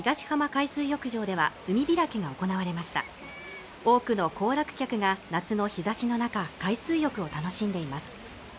海水浴場では海開きが行われました多くの行楽客が夏の日差しの中海水浴を楽しんでいます